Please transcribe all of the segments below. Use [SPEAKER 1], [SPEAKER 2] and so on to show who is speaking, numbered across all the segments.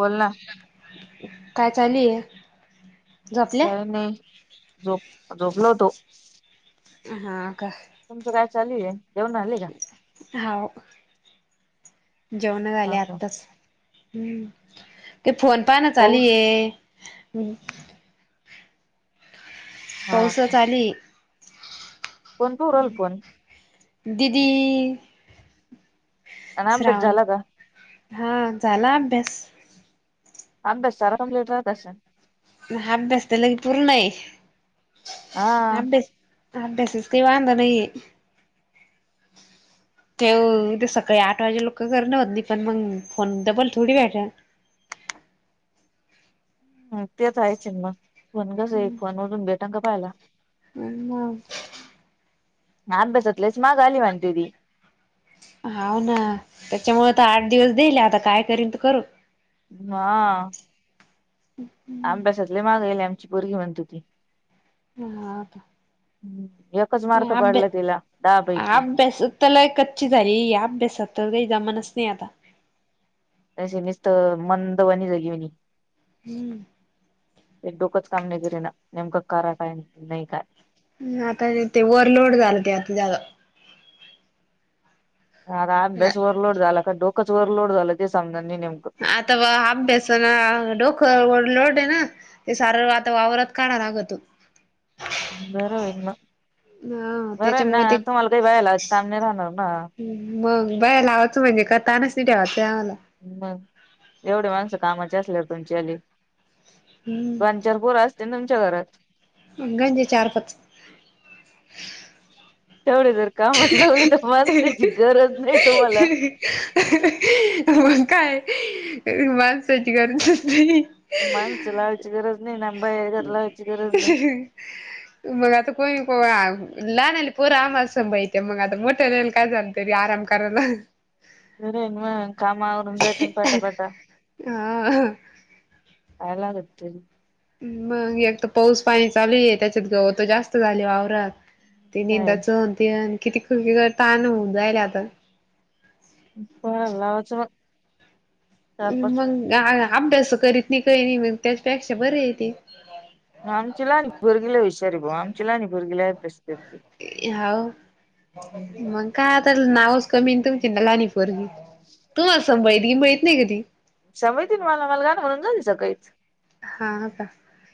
[SPEAKER 1] बोल ना.
[SPEAKER 2] काय चालिए?
[SPEAKER 1] काय नाही, झोप झोपलो होतो.
[SPEAKER 2] हा का?
[SPEAKER 1] तुमचं काय चालू आहे? जेवण झाले का?
[SPEAKER 2] हा हो, जेवणं झाले
[SPEAKER 1] हा का
[SPEAKER 2] आत्ताच. हम्म, ते फोन पाहाना
[SPEAKER 1] पाऊस
[SPEAKER 2] चालीये ह
[SPEAKER 1] हा का
[SPEAKER 2] पावसाचं आली.
[SPEAKER 1] कोण पूरल पण.
[SPEAKER 2] दीदी.
[SPEAKER 1] आणि अभ्यास झाला का.
[SPEAKER 2] हा झाला अभ्यास?
[SPEAKER 1] अभ्यास सारा कम्प्लीट राहत अशीन?
[SPEAKER 2] अभ्यास तर लई पूर्ण आहे.
[SPEAKER 1] हा
[SPEAKER 2] अभ्यासाचं काय वांद नाही. ते ते सकाळी आठ वाजे लोकं कर न होत नाही पण मग फोन डबल थोडी भेटेल? [inaudible]
[SPEAKER 1] हम तेच आहे चिन्हं, कोण कसं आहे फोनवरुन भेटन का पाहायला?
[SPEAKER 2] [unintelligible]
[SPEAKER 1] अभ्यासात लईच मागं आली म्हणतेती?
[SPEAKER 2] त्याच्यामुळं तर आता आठ दिवस देईले, आता काय करीन तर करू.
[SPEAKER 1] हा. अभ्यासातले मागयले आमची पोरगी म्हणत होती ती.
[SPEAKER 2] हम हा [unintelligible]
[SPEAKER 1] हम्
[SPEAKER 2] ही अभ्या, अभ्यासात तर लई कच्ची झाली, अभ्यासात तर काय जमाना ने आता,
[SPEAKER 1] त्याचे नुसतं मंदवानी जगेवणी.
[SPEAKER 2] हम्म.
[SPEAKER 1] एक डोकच काम नाही केरी ना नेमकं करा टाइम नाही काय?
[SPEAKER 2] आता ते प ओवरलोड झालं ते आता जा
[SPEAKER 1] ह र अभ्यास ओव्हरलोड झाला का डोकं ओव्हरलोड का झालं ते समजान
[SPEAKER 2] अता वा अभ्यासा न डोक लोड आहे ना, ते सार आता वावरात काढा लागतो.
[SPEAKER 1] बरं होईल ना,
[SPEAKER 2] हा
[SPEAKER 1] बरं आहे
[SPEAKER 2] त्याच्यामुळे
[SPEAKER 1] ना
[SPEAKER 2] ते
[SPEAKER 1] तुम्हाला काही काहीच काम नाही राहणार हा.
[SPEAKER 2] मग बाई लावाचं म्हणजे त्यांनासनी ठेवायचं. आम्हाला
[SPEAKER 1] मग एवढे माणसं कामाचे असल्या तुमच्या आली पांच, चार पोर असतेल ना तुमच्या घरात?
[SPEAKER 2] अंग चार, पाच
[SPEAKER 1] [unintelligible] तेवढे जर कामात झाले, तर माणसाची गरज नाही तुम्हाला.
[SPEAKER 2] अहं अहं मग काय माणसाची गरजच नही.
[SPEAKER 1] माणसं लावायची गरज नाही ना. बाहेर घर लावायची गरज नाही.
[SPEAKER 2] मग आता कोण? हो लहान लहान पोर सांभाळती आम्हाला मग मग काय जातंय मोठ्याला आराम करायला.
[SPEAKER 1] बरं हाय ना काम आवरून जातय ना पटा पटा.
[SPEAKER 2] हा
[SPEAKER 1] नाय लागत तरी.
[SPEAKER 2] मग एकत पाऊस पाणी चालूय त्याच्यात गवत तर जास्त झाली वाववरात. ती
[SPEAKER 1] काय.
[SPEAKER 2] निंदाच होती किती क करतान होन जायला आता.
[SPEAKER 1] कोणाला लावायचं मग? चार पाच
[SPEAKER 2] मग अभ्यास करीत नाही कही नाही मग त्याच्यापेक्षा बर आहे ते.
[SPEAKER 1] आमची लानी पोरगी लय हुशार आहे बुवा, आमची लानी पोरगी लई अभ्यास करते.
[SPEAKER 2] ह मग का आ तर नावच कमी तुमची ना लहणी पोरगी तू असं बैती माहित नाही कधी
[SPEAKER 1] समयती मला मला गाणं म्हणून झाली सकाळीच.
[SPEAKER 2] हा का.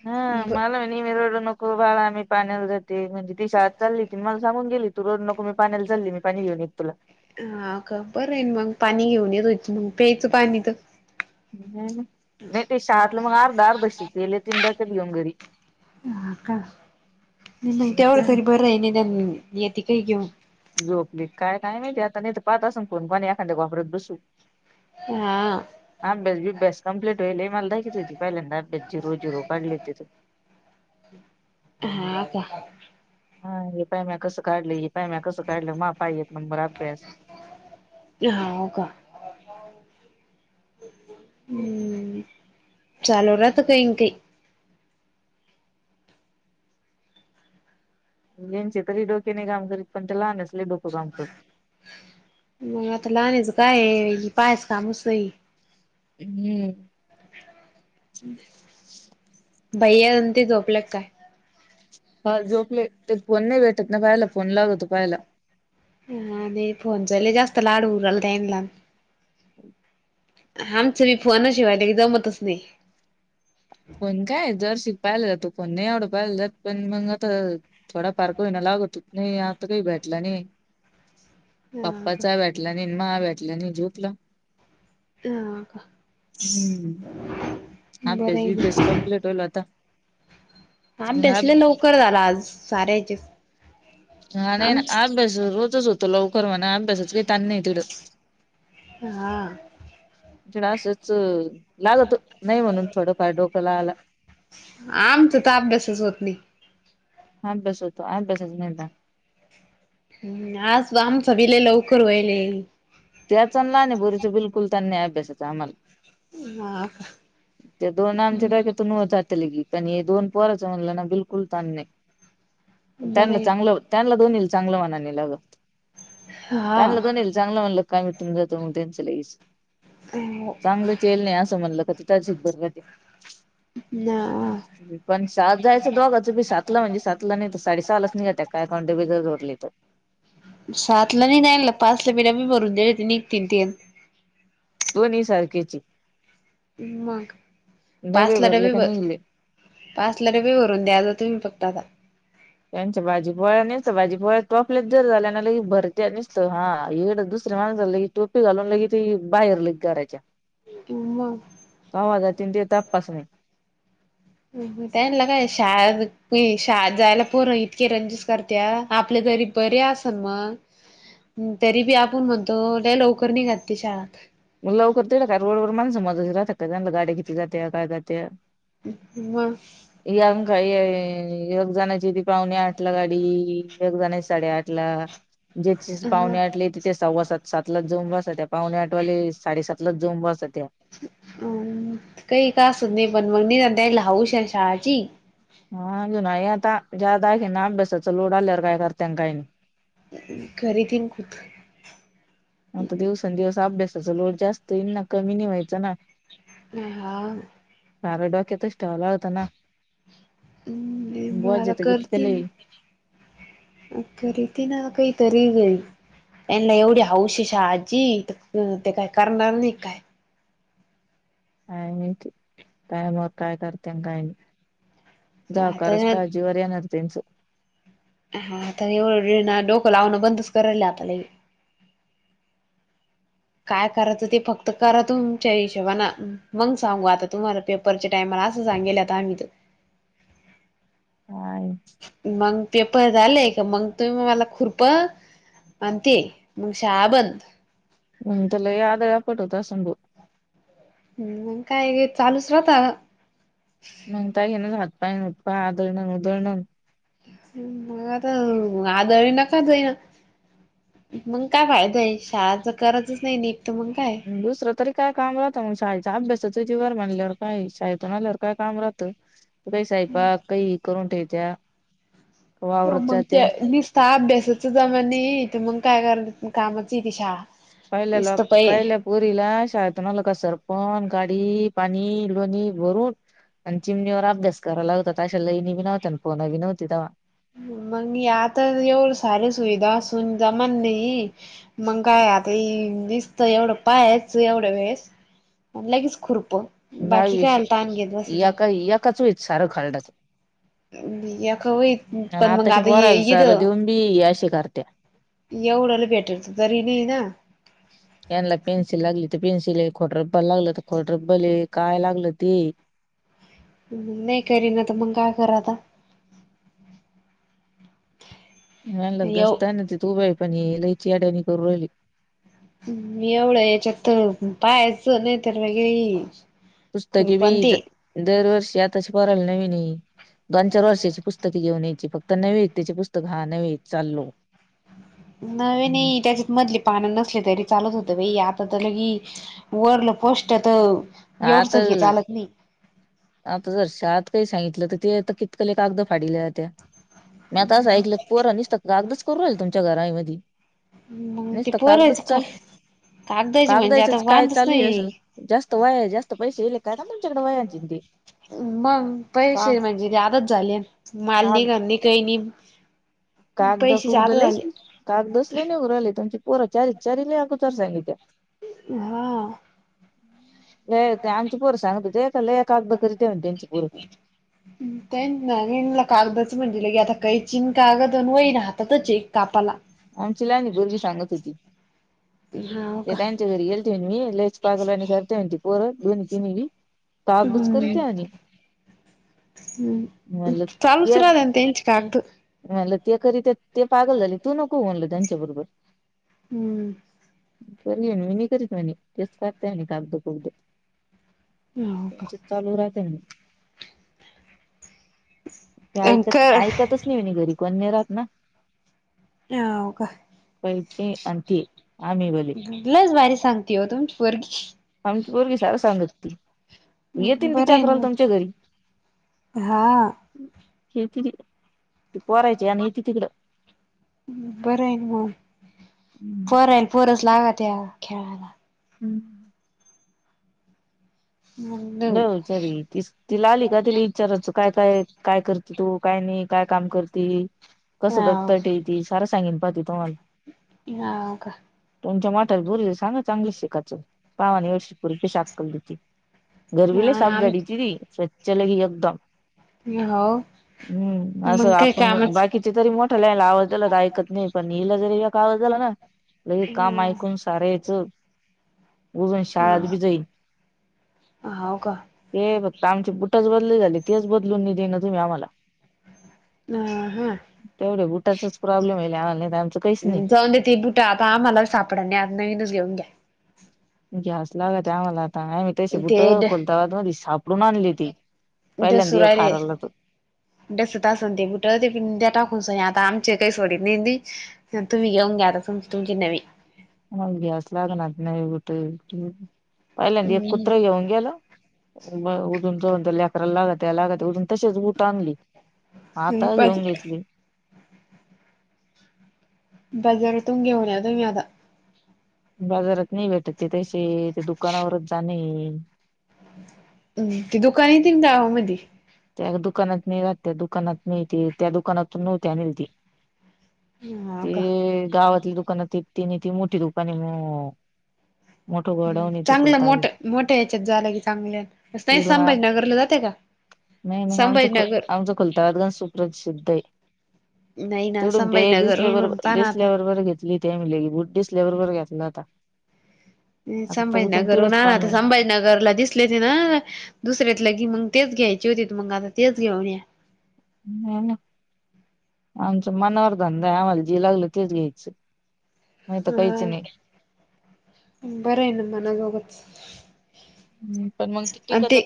[SPEAKER 1] हा
[SPEAKER 2] ब
[SPEAKER 1] मला म न् एर नको बाळा मी पाण्याला जाती ती शाळा चालली ती मला सांगून गेली तू रोड नको म पाण्याला चालली मी पाणी युनिक तुला.
[SPEAKER 2] हा ख बर आहे मग पाणी घेऊन येतोयच मग प्यायचं पाणी तर
[SPEAKER 1] हम्म. नाही ते शाळातलं मग अर्धा अर्धा बशी गेले तीन डाक्यात घेऊन घरी
[SPEAKER 2] हा का. नाही नाही त्यावरढ तरी बरं आहे निदान येते काही घेऊन.
[SPEAKER 1] झोपली काय काय माहितीय आता नाही तर पाह असून फोन पणी एखाद्या वापरत बसू
[SPEAKER 2] हा.
[SPEAKER 1] अभ्यास बिभ्यास कम्प्लीट होईल, मला दाखली होती पहिल्यांदा जिरू जिरू काढली तित.
[SPEAKER 2] [inaudible] हा का.
[SPEAKER 1] हा ह पायम्या कस काढली ह पायम्या कसं काढलं मा पा येत
[SPEAKER 2] हा हो का. हम्म. चालू राहत काही काही
[SPEAKER 1] यांचे तरी डोक्याने काम करीत पण ते लहानच लय डोकं काम करत.
[SPEAKER 2] मग आता लहानच काय पायस कामसतई
[SPEAKER 1] हम्म.
[SPEAKER 2] हम्म. भैया अ ते झोपल्यात काय?
[SPEAKER 1] हा झोपले ते फोन नाही भेटत ना पाहाला फोन लागतो पाहाला.
[SPEAKER 2] हा नाही फोनचाले जास्त लाडू उरल जान ला. आमचं मी फोन शिवायला की जमतच नाही.
[SPEAKER 1] पण काय जर शिक. पाहिलं जातो पोण नाही आवडं पाहिलं जात पण मग आता थोडा फारक होईना लागत नाही आता काही भेट. कलं नाही.
[SPEAKER 2] [inaudible] हा का
[SPEAKER 1] पप्पाचा वेटलाने म वेटल्याने झुकलं.
[SPEAKER 2] हा का
[SPEAKER 1] हम्म
[SPEAKER 2] बरं
[SPEAKER 1] अभ्यास बिभ्यास
[SPEAKER 2] आहे
[SPEAKER 1] कंप्लीट होईल आता
[SPEAKER 2] ह
[SPEAKER 1] मग
[SPEAKER 2] बसले
[SPEAKER 1] अभ-
[SPEAKER 2] लवकर झाला. ज सार्याच.
[SPEAKER 1] हा नाही आ बस रोजच होतो लवकर म. बसच तन इतड.
[SPEAKER 2] हा
[SPEAKER 1] म्हड असंच. लाल तो नाही म्हणून थोडंफार डोक ला आला.
[SPEAKER 2] आमचा तर अभ्यासच होत नाही.
[SPEAKER 1] हा बस होतो आ बसच नाही.
[SPEAKER 2] हम् आज आमचा विलेय लवकर व्हाल.
[SPEAKER 1] त्याचना आणि बोरीच बिलकुल त्यां नाही अभ्यासाचं आम्हाला.
[SPEAKER 2] हा का
[SPEAKER 1] त्या दोन आमच्या
[SPEAKER 2] हम्म
[SPEAKER 1] टाकतूनत. दोन पोराच म्हणला ना बिलकुल ताण नाही.
[SPEAKER 2] बरं
[SPEAKER 1] त्यांना
[SPEAKER 2] आहे
[SPEAKER 1] चांगलं त्यांला दोन येईल चांगलं म्हनानेलग.
[SPEAKER 2] हा
[SPEAKER 1] तांलंण येईल चांगलं म्हणलं काय मिटून जातो मग त्यांचं लईच.
[SPEAKER 2] हो
[SPEAKER 1] चांगलं चेल नाही असं म्हणलं का तिथच बरबती.
[SPEAKER 2] ना.
[SPEAKER 1] सात जायचं दोघाचं पी सातला म्हणजे सातला नाही तर साडे सहा लाच निघा त्या काय काॉन्टिब्यटर जोडली तर.
[SPEAKER 2] सातला नाही नाही पाच ला पेला मी भरून दिले निघतील ते.
[SPEAKER 1] तो नि सारखेची.
[SPEAKER 2] मग पाच ला
[SPEAKER 1] भरले
[SPEAKER 2] डबे
[SPEAKER 1] का
[SPEAKER 2] ब.
[SPEAKER 1] निघले
[SPEAKER 2] पाच लाजख रुपये भरून द्या ज तुम्ही फक्त आता.
[SPEAKER 1] त्यांच्या भाजी पोळ्या नाही तर भाजी पोळ्या तो आपल्यात जर झाल्या ना लग भर. निसतं हा इड दुसरे माणस झालं की टोपी घालून की त बाहेर ल घरायच्या.
[SPEAKER 2] हम.
[SPEAKER 1] आवाजातन ते तपास नाही.
[SPEAKER 2] [unintelligible] त्या ल काय शा शा जायला पूर् इतके रंजस करते आपल्या घरी. बर असन मग तरी बी आपण म्हणतो लवकर नाही घातते शाळेत.
[SPEAKER 1] मग लवकर ते ट का रोडवर माणसं मजा रातात का त्यांना गा्या किती जात्या काय जात.
[SPEAKER 2] मग
[SPEAKER 1] यांग काय. एकग जणाची ती पाहुणे आठ ला गाडी एकग जणची साडेआठ ला. ज्याथ
[SPEAKER 2] हा
[SPEAKER 1] पाहुणे आठले तिथ सव्वासात सातला जोन बसा त्या पाहुणे आठवाले. साडेसात लाच जऊम बस त्या्या.
[SPEAKER 2] अम काही का अस नाही पण मग द्यायला हऊश शाळाची.
[SPEAKER 1] हा अजुून आता जादा आहेखी ना अभ्यासाचा लोड आल्यावर काय करतना काही नाही.
[SPEAKER 2] घरी तन खुठ.
[SPEAKER 1] आता दिवसंदिवस अभ्यासाचा लोड जास्त येईन ना कमी नि व्हायचं ना.
[SPEAKER 2] अ हा.
[SPEAKER 1] मार डॉक येत इवला होता ना.
[SPEAKER 2] म्
[SPEAKER 1] बोज
[SPEAKER 2] मला
[SPEAKER 1] येतं कितकं
[SPEAKER 2] करते
[SPEAKER 1] लई
[SPEAKER 2] ना करीती ना काही. तरी ग त्यांना एवढी अवशेष ह आजी ते काय करणार नाही काय.
[SPEAKER 1] काय माहिती, काय मग कायम कारत्या आन काय नाही. जावा का
[SPEAKER 2] आता
[SPEAKER 1] रसत्यावर जीवावर येणार त्यांच.
[SPEAKER 2] हा तर एवढं डोकं लावणं बंदच करायला आता लय. काय करायचं ते फक्त करा तुमच्या हिशोबाने मग सांगू आता तुम्हाला पेपरच्या टायम असं सांगेल आता आम्ही तर.
[SPEAKER 1] ह
[SPEAKER 2] मग पेपर झालेय, मग तुम्ही मला खुरप आणते मग शाळा बंद.
[SPEAKER 1] मग तर लय आदळ पटवत होत आसल भाऊ.
[SPEAKER 2] हम् म काय चालूच राहता.
[SPEAKER 1] मगता घे ना हातपाय उतपाय आदळणंग उदळण.
[SPEAKER 2] मग आता आदळी नकाचई ना मग काय फायदा आहे शाळाच करजच नाही निट.
[SPEAKER 1] दुसरं तरी काय काम राहतं मग शाळेचा अभ्यास, जीवार मानल्यावर काही शाळेतून आल्यावर काय काम राहतं काही साहेपा काही करून ठे त्या.
[SPEAKER 2] हो म ते निस ह अभ्यासाच जमाणे तर मग काय कर कामाची ती शाळा.
[SPEAKER 1] पहिले
[SPEAKER 2] निसत
[SPEAKER 1] लोक
[SPEAKER 2] पय
[SPEAKER 1] पहिले प पुरीला शाळेतून ल कसर प गढ पाणीलोणी भरून. आणि चिमणीवर अभ्यास करावा लागतता अशाला ल इणी बी नवत्या आणि फोन बी नव्हती तव्हा.
[SPEAKER 2] होम. मग आता एवढ सार सुविधा असून जमा नाही मग काय आता दिसत एवढं पायाच एवढं वेळेस लगेच खुरप बाकी
[SPEAKER 1] दहावी
[SPEAKER 2] काय आलता आण घेत बसच.
[SPEAKER 1] सारा खालडस.
[SPEAKER 2] भयाख पण
[SPEAKER 1] आताच्या
[SPEAKER 2] मंगते
[SPEAKER 1] पोराला
[SPEAKER 2] येेत.
[SPEAKER 1] सारं देऊन बी अशी करत्या
[SPEAKER 2] एवढंला भेटरच तरी नाही ना.
[SPEAKER 1] यांना पेन्सिल लागली तर पेनसिल ये खोटं रब्बल लागलं तर खोटं रब्बल हे काय लागलं ते हे.
[SPEAKER 2] ह नाही करीना तर मग काय करा आता.
[SPEAKER 1] ला
[SPEAKER 2] येव
[SPEAKER 1] घसत ना त त उभ आहे पण लयची आड्यानी करू राहिली.
[SPEAKER 2] मी एवढं याच्यात तर पाहाचं नाही तर वगर.
[SPEAKER 1] पुस्तके बी दरवर्षी आताच पोराला नवीन हाय. दोन चार वर्षाची पुस्तके घेऊन यायची फक्त नवी त्याची पुस्तकं हा नवी चाललो
[SPEAKER 2] नवे
[SPEAKER 1] हम्म.
[SPEAKER 2] नाही त्याच्यात मधली पानं नसली तरी चालत होत बा आ त्या ल की वरल पोष्टट तर एवढच
[SPEAKER 1] आता
[SPEAKER 2] चालत नाही.
[SPEAKER 1] आता जर शात काही सांगितलं तर ते आता कितकले कागद फाडील्या जात्या. मी आता असं ऐकलं पोर नसत कागदच करू राहील तुमच्या घराय मधी.
[SPEAKER 2] मग ते
[SPEAKER 1] नीस्त कागदच
[SPEAKER 2] पोरायचं का
[SPEAKER 1] चाल
[SPEAKER 2] कागदाची म्हणजे आता
[SPEAKER 1] कागदाच काय
[SPEAKER 2] वांधच
[SPEAKER 1] चालू आहे असं
[SPEAKER 2] नाही
[SPEAKER 1] जास्त वाय जास्त पैसे येले. काय ना तुच्याकडे वयाची नी ते.
[SPEAKER 2] मग
[SPEAKER 1] का
[SPEAKER 2] पैसे म्हणजे आदच झाली मालनी
[SPEAKER 1] काग
[SPEAKER 2] घनी काही नाही
[SPEAKER 1] कागद
[SPEAKER 2] पैसे
[SPEAKER 1] कुगद
[SPEAKER 2] जादा
[SPEAKER 1] लयच
[SPEAKER 2] झाले
[SPEAKER 1] कागदच लय नीगू राहीले तुमच्यात. पोरा चारी चारी लय अगोचर झाले इथे.
[SPEAKER 2] हा
[SPEAKER 1] ते आमची पोर सांगत हो ते का ल कागदा कर
[SPEAKER 2] तेन नवीन कागदच म्हणलं की आता काही चिंकागंन वई राहातातच एक कापाला.
[SPEAKER 1] आमची लाणी भुगी सांगत होती
[SPEAKER 2] हाव
[SPEAKER 1] ते
[SPEAKER 2] का
[SPEAKER 1] त्यांच्या घरी गेलते न मी लयीच पागल वांणि करत्या म्हणे ते पोरं दोन्ही तिन बी कागूच
[SPEAKER 2] हम्म
[SPEAKER 1] करत्या आणि
[SPEAKER 2] हम्म
[SPEAKER 1] म्हनल
[SPEAKER 2] चालूच
[SPEAKER 1] त्या
[SPEAKER 2] राहते ना त्यांची कागद
[SPEAKER 1] मी म्हनलं ते करीत्यात ते पागल झाले तू नको होउ म्हणलं त्यांच्या बरोबर
[SPEAKER 2] हूं!
[SPEAKER 1] बरी आहे मी नाही करीत म्हणे तेच करताय म्हणे कागद कुगद
[SPEAKER 2] हाव का
[SPEAKER 1] त्यांच्यात चालू राहते ना. ते
[SPEAKER 2] अंक
[SPEAKER 1] ऐकत ऐकतच नाही म्हणे घरी कोण नही राहत ना
[SPEAKER 2] हाओ का
[SPEAKER 1] तीचे अन ते आम्ही भले
[SPEAKER 2] लई ज भारी सांगते हो तुमची पोरगी
[SPEAKER 1] आमची पोरगी सार सांगत ती येेते ना तेि
[SPEAKER 2] बरं आहे
[SPEAKER 1] चक्राला तुमच्या
[SPEAKER 2] मग
[SPEAKER 1] घरी.
[SPEAKER 2] हा
[SPEAKER 1] येती ती पोरायचे आण येती तिकडं. हम्म.
[SPEAKER 2] पोरान न पोरच लागत्या खेळायला
[SPEAKER 1] हूं!
[SPEAKER 2] हो
[SPEAKER 1] नव्ह चरी ती ती ला आली का तिला ईचाराचं काय, काय, काय कर ते तू काय नही काम करती कसं दप्तर ठेवीती सारं सांगिन पाह ती तुम्हाला.
[SPEAKER 2] हा का?
[SPEAKER 1] तुमच्या मोठाल्या पोरीला सांगा चांगलं शिकाचं पावान एवशी पोरगी कशी अक्कल देती घरबी लई साफ
[SPEAKER 2] आम
[SPEAKER 1] झाडीती ती स्वच्छ लई एकदम
[SPEAKER 2] मी हाव!
[SPEAKER 1] हं असं आपुण बाकीचे तरी मोठल्याला ला आवज दीला त ऐकत नाही पण हिला जरी एक आवाज झालं ना लगे
[SPEAKER 2] ह
[SPEAKER 1] काम ऐकून सारायचं उजून शाळात बी जई
[SPEAKER 2] हो का
[SPEAKER 1] ते फक्त आमचे बुटच बदली झाले तेच बदलून नई देइना तुम्ही आम्हाला.
[SPEAKER 2] ह हा
[SPEAKER 1] तेवढे बुटाचाच प्रॉब्लेम व्हयेल आम्हाला नही
[SPEAKER 2] जाऊन दे ते बुटा आता आम्हाला सापड नही आता नवीनच घेऊन घ्या
[SPEAKER 1] घेवाच लागत्या आम्हाला आता आम्ही तशी
[SPEAKER 2] ते
[SPEAKER 1] बुटं खोलताबाद मधी सापडून आणली ती. पहिल्यांदा
[SPEAKER 2] डसू
[SPEAKER 1] एक
[SPEAKER 2] राहिले,
[SPEAKER 1] हारवला तो
[SPEAKER 2] डसत असंन ते बुट ते की दया टाकून सनी आ आता आमचे काही सोडीत नही ती न तुम्ही घेऊन घ्या आता तुमची तुमची नवी
[SPEAKER 1] ह गॅस लाग नात नाही कुठे [unintelligible] पाहिलांदी एक
[SPEAKER 2] हम्
[SPEAKER 1] कुत्र घेऊन गेल मं तो म्हणतो, म्हणतो लेकराला लागत्या, लागत्या उठुन तसेच बुट आणले. आता
[SPEAKER 2] बाज
[SPEAKER 1] घेऊन घेतली
[SPEAKER 2] बाजरतु न घेवून या तुमी आता.
[SPEAKER 1] बाजारात नाही भेटत ते तैसे, ते दुकानावरच जाणे.
[SPEAKER 2] ती दुकान येतीन गावा मदी.
[SPEAKER 1] त्या दुकानात नही राहत, दुकानात नही ते त्या दुकानातून नव्हते आणल ते
[SPEAKER 2] हा का
[SPEAKER 1] ते गावातली दुकान ते तिनी ती मोठी दुकान मो
[SPEAKER 2] चांगलं मोठ मोठ्या याच्यात जावं लागलं की चांगल्या नाही
[SPEAKER 1] तिडून
[SPEAKER 2] संभाजी नगरला जात्या का?
[SPEAKER 1] नाही, नाही आमचं आमचं खुलं
[SPEAKER 2] संभाजीनगर
[SPEAKER 1] आमचं खुलताबाद गंज सुप्रसिद्ध हे.
[SPEAKER 2] नाही ना
[SPEAKER 1] तीडून ते दिसल्या बरोब
[SPEAKER 2] संभाजीनगरून जाना आता
[SPEAKER 1] दिसल्यावर बर घेतली ते म्हनले ही बूट दिसल्या वर घेतला होता. आता तर उचून
[SPEAKER 2] संभाजीनगर
[SPEAKER 1] तिडच
[SPEAKER 2] हुना
[SPEAKER 1] पाणी
[SPEAKER 2] आता
[SPEAKER 1] आहे.
[SPEAKER 2] संभाीनगरला दिसले ते ना दुसर्यातलं की मंग तेच घ्यायची होती त मग आता तेच घेऊन या.
[SPEAKER 1] हा [unintelligible] आमच मनावर धंदा हे, आम्हाला जे लागल तेच घ्यायचं. नाही तर
[SPEAKER 2] हा
[SPEAKER 1] काहीच नाही
[SPEAKER 2] बरं आहे ना मनाजोग च.
[SPEAKER 1] ह पण मग टीकच